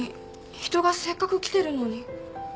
人がせっかく来てるのに。